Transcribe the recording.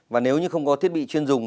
và nếu như không có thiết bị chuyên dùng